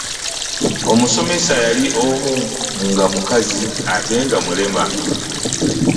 Omusomesa yali omu nga mukazi ate nga mulema.